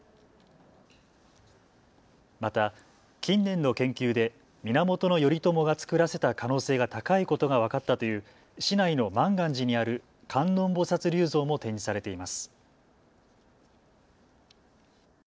また近年の研究で源頼朝が作らせた可能性が高いことが分かったという市内の満願寺にある観音菩薩立像も展示されています。